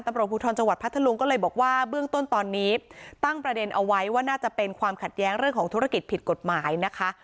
ตำรวจภูทรจังหวัดพัทธลุงก็เลยบอกว่าเบื้องต้นตอนนี้ตั้งประเด็นเอาไว้ว่าน่าจะเป็นความขัดแย้งเรื่องของธุรกิจผิดกฎหมายนะคะ